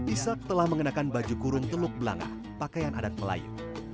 ishak telah mengenakan baju kurung teluk belangah pakaian adat melayu